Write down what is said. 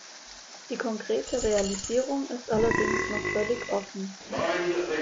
Die konkrete Realisierung ist allerdings noch völlig offen.